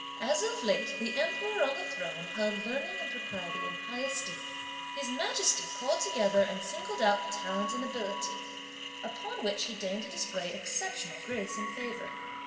As of late the Emperor on the Throne held learning and propriety in high esteem, His Majesty called together and singled out talent and ability, upon which he deigned to display exceptional grace and favour.